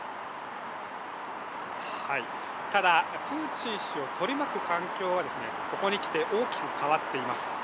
ただ、プーチン氏を取り巻く環境はここに来て、大きく変わっています。